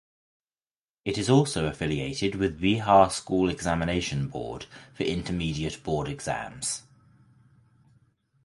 It is also affiliated with Bihar School Examination Board for intermediate board exams.